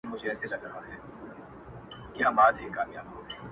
تور یم؛ موړ یمه د ژوند له خرمستیو؛